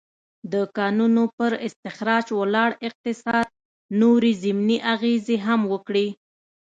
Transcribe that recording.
د کانونو پر استخراج ولاړ اقتصاد نورې ضمني اغېزې هم وکړې.